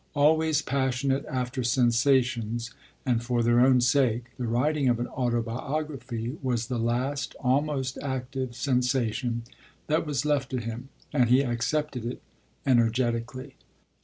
Always passionate after sensations, and for their own sake, the writing of an autobiography was the last, almost active, sensation that was left to him, and he accepted it energetically.